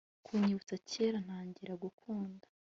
kunyibutsa kera ntangira gukunda